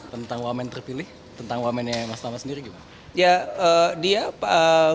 tentang wamen terpilih tentang wamennya mas tama sendiri gimana